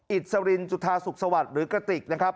อิสรินจุธาสุขสวัสดิ์หรือกระติกนะครับ